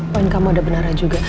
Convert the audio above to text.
poin kamu ada benarnya juga